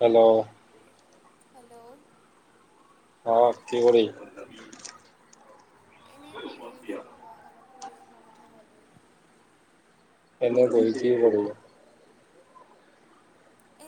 Hello hello অ কি কৰি এনেই বহি [inaudible] [unintelligible] কথা ভাবি [unintelligible]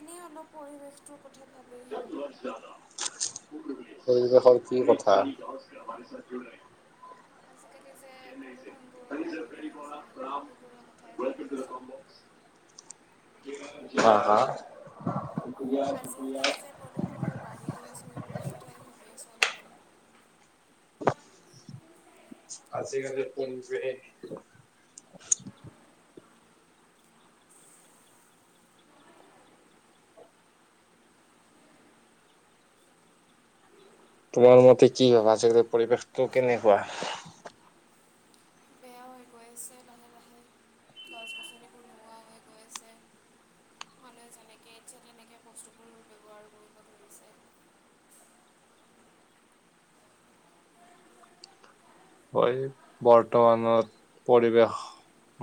এনেই অলপ পৰিৱেশটোৰ কথা ভাবি ইমান কষ্ট ন পৰিৱেশৰ কি কথা? এই যে প্ৰদূষন বোৰ বাঢ়ি গৈ আছে সেইবোৰ ক- হা হা আজিকালি যে প্ৰদূষণবোৰ বাঢ়ি গৈ আছে সেইবোৰৰ কথাই ভাবি আছোঁ অলপ আজি কালি ফুং যে তোমাৰ মতে কি ভাবা আজিকালি পৰিৱেশটো কেনেকুৱা? বেয়া হৈ গৈ আছে লাহে লাহে গছ -ছনিবোৰ নোহোৱা হৈ গৈ আছে মানুহে যেনেকে ইচ্ছা তেনেকে বস্তুবোৰ [unintelligible] কয় বৰ্তমানত পৰিৱেশ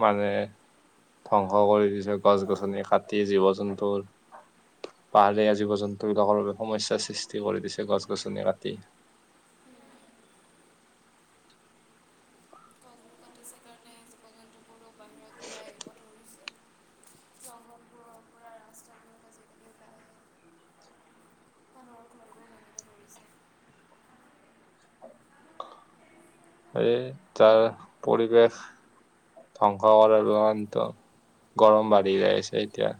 মানে ধ্বংস কৰি দিছে গছ-গছনি কাটি, জীৱ-জন্তুৰ পাহাৰীয়া জীৱ-জন্তু বিলাকৰ বাবে সমস্যাৰ সৃষ্টি কৰি দিছে গছ-গছনি কাটি সেইটো কাৰণে আজিকালি [unintelligible] জংঘলবোৰৰ পৰা ৰাস্তালে [unintelligible] এই তাৰ পৰিৱেশ ধ্বংস কৰাৰ কাৰনেটো গৰম বাঢ়ি যাই আছে এতিয়া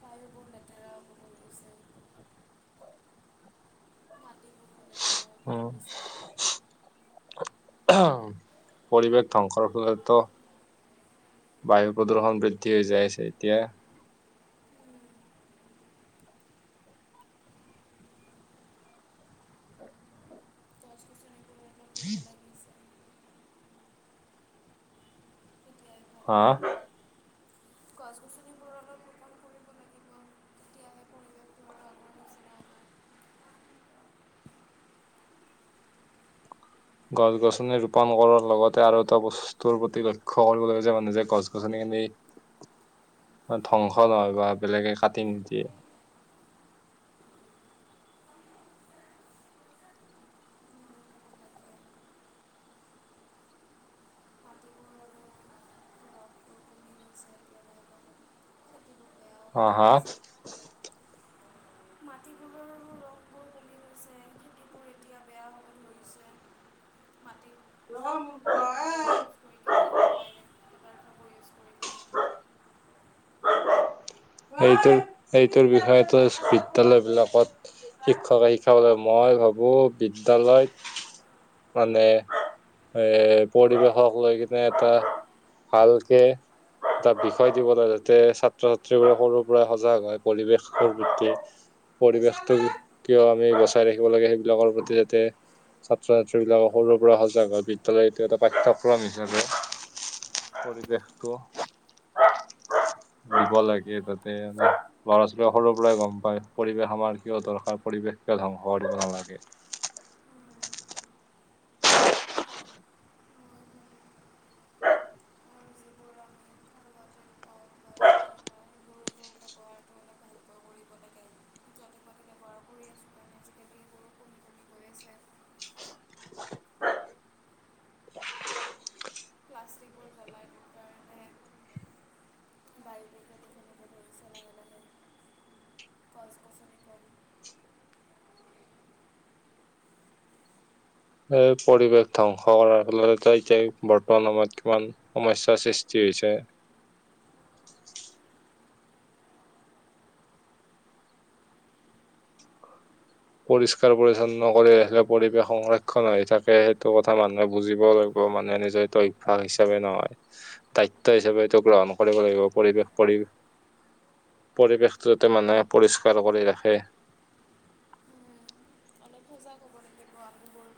খাদ্যবোৰ নাথা [unintelligible] মাটিবোৰ বহুত লেতেৰা হ'ব উম ধৰিছে পৰিৱেশ ধ্বংসৰ ফলততো বায়ু প্ৰদূষণ বৃদ্ধি হৈ যায় আছে এতিয়া গছ গছনিবোৰ অলপ ৰুব [inaudible] লাগিছে তেতিয়াই হা গছ-গছনিবোৰ অলপ ৰুপন পৰিৱেশবোৰ আৰু আগৰ নিচিনা হ'ব গছ-গছনি ৰুপন কৰাৰ লগতে আৰু এটা বস্ স্তু প্ৰতি লক্ষ্য কৰিব লাগে যে মানুহ যে গছ গছনি খিনি ধ্বংস নহয় বা বেলেগে কাটিং নিদিয়ে মাটিবোৰ আৰু ৰসবোৰ কমি গৈছে এতিয়া লাহে লাহে খেতিবোৰ বেয়া হ'ব অ শাক্স মাটিবোৰৰো ৰসবোৰ কমি গৈছে, খেতিবোৰ এতিয়া বেয়া হ'ব ধৰিছে মাটি এইবোৰ [unintelligible] ইউজ কৰি কেনে ৰাসায়নিক পদাৰ্থবোৰ ইউজ কৰি কৰি [unintelligible] এইটোৰ এইটোৰ বিষয়ত তোৰ বিদ্যালয় বিলাকত শিক্ষকে শিকাবলৈ মই ভাবো বিদ্যালয়ত মানে এ পৰিৱেশক লৈ কিনে এটা ভালকে, এটা বিষয় দিব লাগে যাতে, ছাত্ৰ সৰুৰ পৰাই সজাগ হয়, পৰিৱেশৰ প্ৰতি। পৰিৱেশটো কিয় আমি বচাই ৰাখিব লাগে, সেইবিলাকৰ প্ৰতি যাতে ছাত্ৰ-ছাত্ৰী বিলাকক সৰুৰে পৰা সজাগ হয়, বিদ্যালয়টো এটা পাঠ্য়ক্ৰম হিচাপে পৰিৱেশতটো দিব লাগে যাতে ল'ৰা ছোৱালীয়ে সৰুৰ পৰাই গম পায়, পৰিৱেশ আমাৰ কিয় দৰকাৰ, পৰিৱেশ কিয় ধ্বংস কৰিব নালাগে। যিবোৰ আমি ঘৰুৱাতে পাওঁ বা ঘৰ পাওঁ সেইবোৰৰো ব্যৱহাৰটো অলপ ভালকৈ অ', শুনি আছো। ক্লাষ্টিকবোৰ গলায়। বাই গছ-গছনি। এই পৰিৱেশ ধ্বংস কৰাৰ ফলত এতিয়া বৰ্তমান আমাৰ কিমান সমস্যয়াৰ সৃষ্টি হৈছে। পৰিষ্কাৰ পৰিচ্ছন্ন কৰি ৰাখিলে, পৰিৱেশ সংৰক্ষণ হৈ থাকে, সেইটো কথা মানুহে বুজিব লাগিব, মানুহে নিজে [unintelligible] হিচাপে নহয়। দায়িত্ব হিচাপে এইটো গ্ৰহণ কৰিব লাগিব, পৰিৱেশ পৰি পৰিৱেশটো মানুহে পৰিষ্কাৰ কৰি ৰাখে। আমাকো সজাগ হ'ব লাগিব, আমিবোৰ।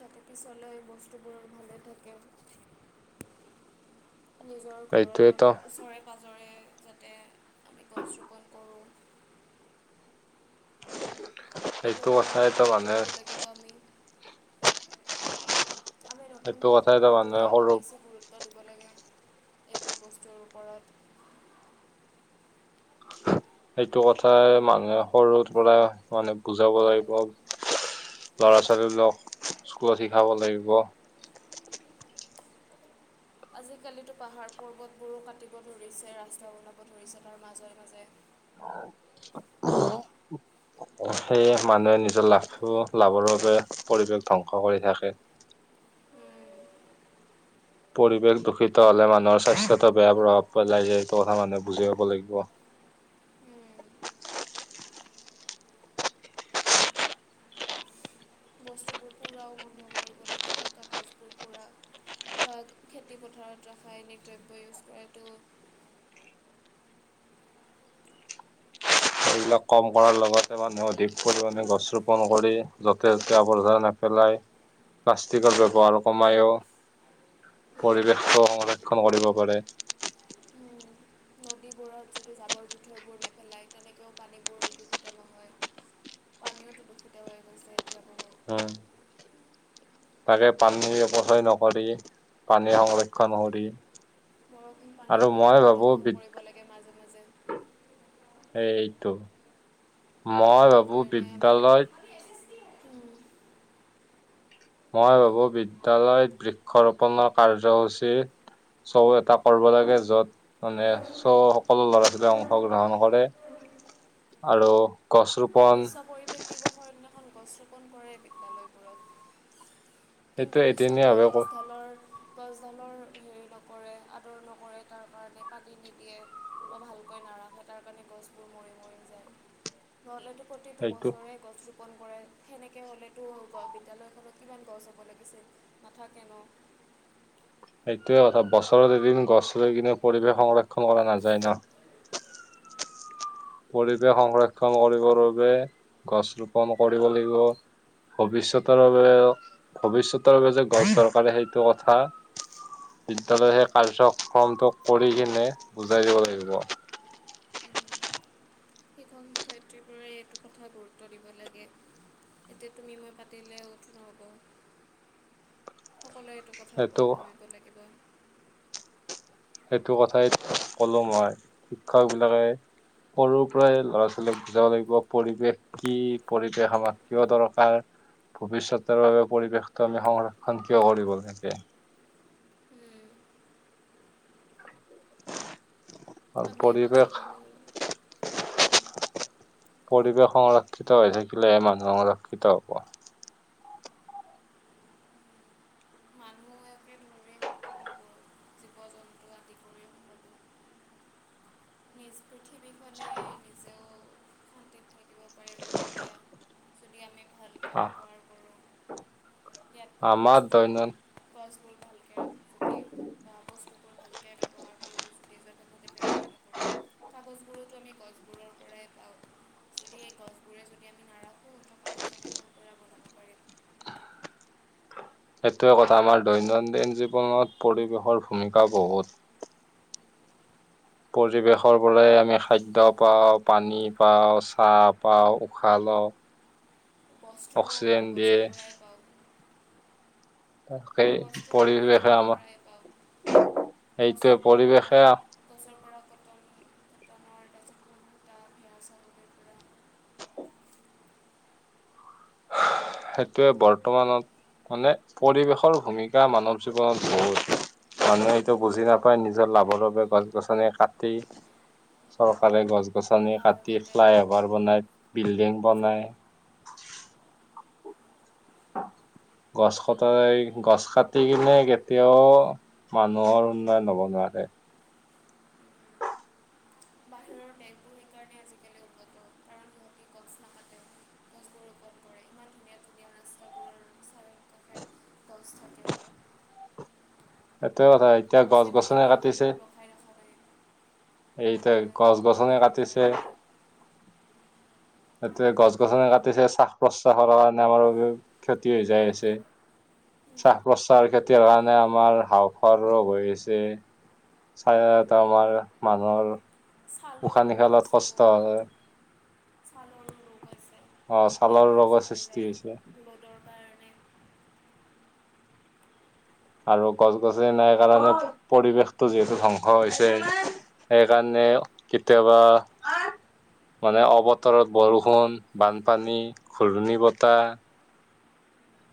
যাতে পিছলৈ বস্তুবোৰ ভালে থাকে। নিজৰ ঘৰৰ সেইটোৱেতো ওচৰে, পাজৰে যাতে গছ ৰোপণ কৰোঁ। সেইটো সেইবোৰৰ ওপৰতে কথাইতো গুৰুত্ব মানুহে দিব লাগিব আমি। আমি নতুন সেইটো কথাইতো প্ৰজন্মবোৰে মানুহে সৰু অলপ বেছি গুৰুত্ব দিব লাগে, এইবোৰ বস্তুৰ ওপৰত। সেইটো কথাই মানুহে সৰুৰ পৰাই মানে বুজাব লাগিব। লৰা-ছোৱালী বিলাকক স্কুলত শিকাব লাগিব। আজিকালিতো পাহাৰ পৰ্বতবোৰো কাটিব ধৰিছে, ৰাস্তা বনাব ধৰিছে, তাৰ মাজে, মাজে। সেয়ে, মানুহে নিজৰ লাভটো লাভৰ বাবে পৰিৱেশ ধ্বংস কৰি থাকে। পৰিৱেশ দূষিত হলে মানুহৰ স্বাস্থ্যটো বেয়া প্ৰভাৱ পেলাই যে, এইটো কথা মানুহে বুজি পাব লাগিব। বস্তুবোৰ পুৰাও বন্ধ কৰিব লাগিব, কাগজবোৰ পূৰা। বা খেতি পথাৰত ৰাসায়নিক দ্ৰব্য ইউজ কৰাতটো এইবিলাক কম কৰাৰ লগতে মানুহে অধিক পৰিমাণে গছ ৰোপণ কৰি য'তে, ত'তে আৱৰ্জনা নেপেলায়। প্লাষ্টিকৰ ব্যৱহাৰ কমায়ো। পৰিৱেশ সংৰক্ষণ কৰিব পাৰে। নদীবোৰত যদি জাবৰ জোঁথৰবোৰ নেপেলায়, তেনেকৈও পানীবোৰ দূষিত নহয়। পানীও দূষিত হৈ গৈছে এতিয়া বহুত। হয়। তাকে পানীৰ অৱশেষত নকৰি, পানীৰ সংৰক্ষণ কৰি। বৰষুণ আৰু পানীবোৰো মই ভাবো সংৰক্ষণ বি কৰিব লাগে মাজে, মাজে। এইটো, মই ভাবু বিদ্যালয়ত উম। মই ভাবো বিদ্যালয়ত বৃক্ষৰোপনৰৰ কাৰ্যসূচী চ' এটা কৰিব লাগে, য'ত মানে চ' সকলো ল'ৰা ছোৱালীয়ে অংশগ্ৰহণ কৰে। আৰু গছ ৰু বিশ্ব পৰিৱেশ দিৱসৰ দিনাখন গছ ৰোপণ কৰে বিদ্যালয় বোৰত। সেইটো কিন্তু পিছত এদিনীয়া সেই ভাৱে ক গছডালৰ গছ ডালৰ হেৰি নকৰে, আদৰ নকৰে, তাৰ কাৰণে পানী নিদিয়ে। বৰ ভালকৈ নাৰাখে তাৰ কাৰণে গছবোৰ মৰি মৰি যায়, নহ'লেতো প্ৰতিটো সেইটো বছৰে গছ ৰোপন কৰে। সেনেকে হ'লেতো বিদ্যালয়খনত কিমান গছ হ'ব লাগিছিল। নাথাকে ন। এইটোৱে কথা, বছৰত এদিন গছ ৰুই কিনে পৰিৱেশ সংৰক্ষণ কৰা নাযায় ন। পৰিৱেশ সংৰক্ষণ কৰিবৰ বাবে গছ ৰোপন কৰিব লাগিব। ভৱিষ্যতৰলৈ ভৱিষয়তৰ বাবে যে গছ দৰকাৰি সেইটো কথা বিদ্যালয় সেই কাৰ্যক্ৰমটো কৰি কিনে বুজাই দিব লাগিব। শিক্ষক শিক্ষয়ত্ৰীবোৰে এইটো কথা গুৰুত্ব দিব লাগে। এতিয়া তুমি মই পাতিলেও নহ'ব। সকলোৱে এইটো কথাৰ সেইটো ওপৰত ভাবিব লাগিব। সেইটো কথাই কলো মই শিক্ষক বিলাকে সৰুৰ পৰাই ল'ৰা ছোৱালীক বুজাব লাগিব পৰিৱেশ কি, পৰিৱেশ আমাক কিয় দৰকাৰ, ভৱিষ্যতৰ বাবে পৰিৱেশটো আমি সংৰক্ষণ কিয় কৰিব লাগে। উম। আমিয়ে পৰিৱেশ বচাব লাগিব। পৰিৱেশ সংৰক্ষিত হৈ থাকিলেহে মানুহ সংৰক্ষিত হ'ব। মানুহে জন্তু আদি কৰি সকলো নিজ পৃথিৱী খনে নিজে [unintelligible] যদি আমি ভাল অ। ইয়াত পোৱা আমাৰ বস্তুবোৰ দৈনন্দি গছবোৰ ভালকে ৰুব-চুব লাগে। কাগজবোৰ আমি গছবোৰৰ পৰায়ে পাওঁ, এই গছবোৰে যদি আমি নাৰাখো। সেইটোৱে কথা, আমাৰ দৈনন্দিন জীৱনত পৰিৱেশৰ ভূমিকা বহুত। পৰিৱেশৰ পৰা আমি খাদ্য পাওঁ, পানী পাওঁ, চাহ পাওঁ, উশাহ লওঁ। বস্তুও আকৌ অক্সিজেন দিয়ে গছৰ পৰাই পাওঁ। সেই বস্ত্ৰও পৰিৱেশে পৰিৱেশৰ পৰাই পাওঁ আমাক সেইটোৱে পৰিৱেশে আ গছৰৰ পৰা কটনৰ তাৰপিছত ঊণ সূতা ভেড়া চাউলৰ পৰা সেইটোৱে বৰ্তমানত মানে পৰিৱেশৰ ভূমিকা মানৱ জীৱনত বহুত। মানুহে এইটো বুজি নাপায় নিজৰ লাভৰ বাবে গছ-গছনি কাটি চৰকাৰে গছ-গছনি পাহাৰ কাটি কাটে ফ্লাই অভাৰ বনায়, বিল্ডিং বনায়। গছ কটাই গছ কাটি কিনে কেতিয়াও মানুহৰ উন্নয়ন হ'ব নোৱাৰে। বাহিৰৰ দেশবোৰ সেইকাৰণে আজিকালি উন্নত কাৰণ সিহঁতি গছ নাকাটে গছবোৰ ৰোপণ কৰে ইমান ধুনীয়া ধুনীয়া ৰাস্তাবোৰৰ চাৰিওকাষে গছ থাকে। সেইটোৱে কথা এতিয়া গছ গছেতো গছনে কেতিয়াওতো কাটিছে ৰখাই ৰখা নাই এইতাই উন্নয়নকতো গছ-গছনি কেতিয়াও ৰখাই কাটিছে ৰখা নাই এতিয়া গছ-গছনি কাটিছে শ্বাস-প্ৰশ্বাসৰ কাৰণে আমাৰ বাবে ক্ষতি হৈ যায় আছে। শ্বাস-প্ৰশ্বাসৰ ক্ষতি হোৱাৰ কাৰণে আমাৰ হাঁওফাঁওৰ ৰোগ হৈ আছে। চায়া এটা আমাৰ মানুহৰ ছালৰ উশাহ ৰোগ নিশাহত হৈছে কষ্ট হয়। বহুত। ছালৰো ৰোগ আছে অ ছালৰ ৰোগৰ এলাৰ্জি হৈ সৃষ্টি যায় হৈছে ৰ'দৰ কাৰণে। আৰু গছ গছনি নাই কাৰণে পৰিৱেশটো যিহেতু ধ্বংস হৈছে। সেইকাৰণে কেতিয়াবা মানে অবতৰত বৰষুণ বানপানী ঘূৰ্ণি বতাহ।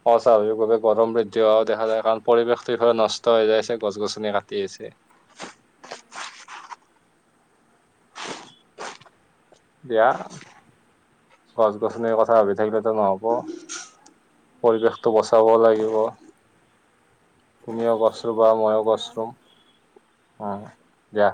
অস্বাভাৱিকভাৱে গৰম বৃদ্ধি হোৱাও দেখা যায় কাৰণ পৰিৱেশটো ইফালে নষ্ট হৈ যায় আছে গছ গছনি কাটি আছে। এতিয়া গছ গছনিৰ কথা ভাবি থাকিলেতো নহ'ব। পৰিৱেশটো বচাব লাগিব তুমিও গছ গছনি ৰুবা ৰোপণ মইও গছ ৰুম, কৰা উম দিয়া।